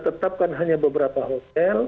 tetapkan hanya beberapa hotel